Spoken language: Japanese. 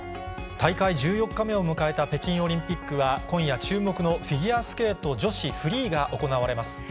大会１４日目を迎えた北京オリンピックは、今夜、注目のフィギュアスケート女子フリーが行われます。